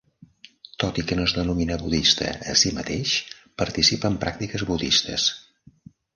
Tot i que no es denomina budista a si mateix, participa en pràctiques budistes.